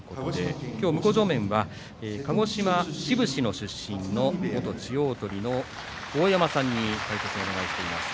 向正面は鹿児島志布志市出身の元千代鳳の大山さんに解説をお願いしています。